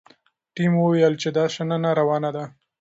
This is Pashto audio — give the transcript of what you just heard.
ټیم وویل چې شننه روانه ده.